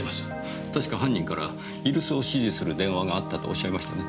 確か犯人から居留守を指示する電話があったとおっしゃいましたね？